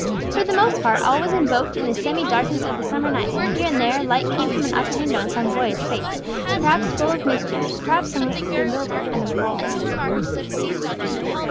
For the most part all was invoked in the semi darkness of the summer night, but here and there light came from an upper window on some boyish face, perhaps full of mischief, perhaps somewhat bewildered and appalled.